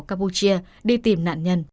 campuchia đi tìm nạn nhân